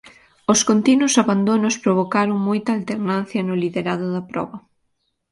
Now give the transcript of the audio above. Os continuos abandonos provocaron moita alternancia no liderado da proba.